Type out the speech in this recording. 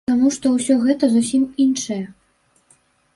Таму што ўсё гэта зусім іншае.